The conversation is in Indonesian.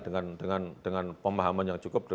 dengan pemahaman yang cukup